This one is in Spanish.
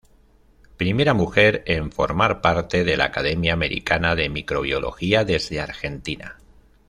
Primera mujer en formar parte de la Academia Americana de Microbiología desde Argentina.